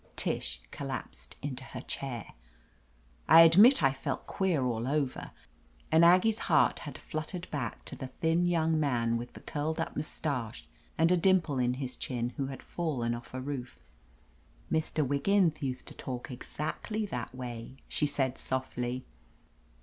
Tish collapsed into her chair. I admit I felt queer all over, and Aggie's heart had flut tered back to the thin young man with the 331 THE AMAZING ADVENTURFS curled up mustache and a dimple in his chin, who had fallen off a roof. ''Mister Wigginth usthed to talk exactly that way !" she said softly.